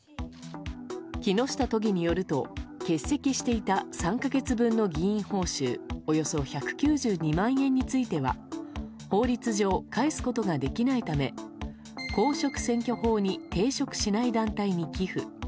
木下都議によると欠席していた３か月分の議員報酬およそ１９２万円については法律上、返すことができないため公職選挙法に抵触しない団体に寄付。